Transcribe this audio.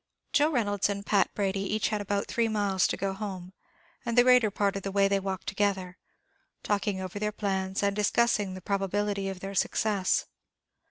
Joe Reynolds and Pat Brady had each about three miles to go home, and the greater part of the way they walked together talking over their plans, and discussing the probability of their success.